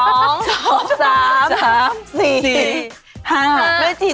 ลงมา๒ที